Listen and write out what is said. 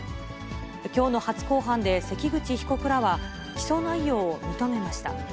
きょうの初公判で関口被告らは、起訴内容を認めました。